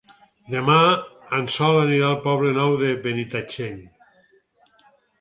Demà en Sol anirà al Poble Nou de Benitatxell.